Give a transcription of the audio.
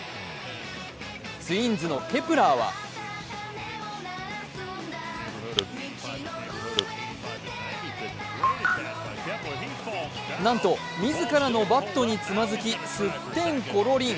ツインズのケプラーはなんと自らのバットにつまずき、すってんころりん。